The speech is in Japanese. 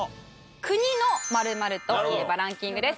国の○○と言えばランキングです。